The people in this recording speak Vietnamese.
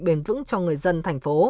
bền vững cho người dân thành phố